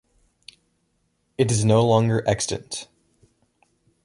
It is no longer extant.